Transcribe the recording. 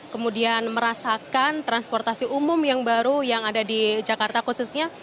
kemudian merasakan transportasi umum yang baru yang ada di jakarta khususnya